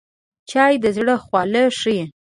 چای د زړه خواله ښيي